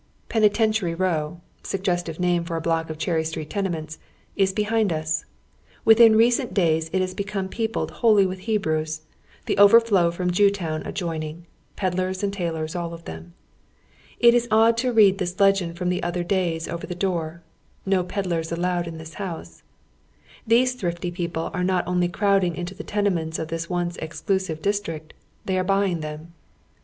Penitentiary Row, suggestive name for a block of Cherry Street tenemeuts, is behind us. Within recent days it has become peopled wholly witli Hebrews, the overflow from Jewtown adjoining, pedlars and tailors, all of them. It is odd to read this legend from other days over the door: "Xo pedlars allowed iii this bouse." These thrifty people are not only crowding into the tenements of tliis once exclusive district— they a] e buying them.